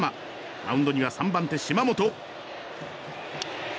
マウンドには３番手、島本。